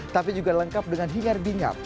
tapi juga lengkap dengan hingar bingar